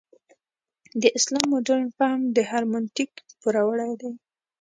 د اسلام مډرن فهم د هرمنوتیک پوروړی دی.